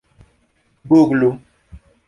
guglu